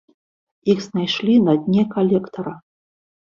Іх знайшлі на дне калектара.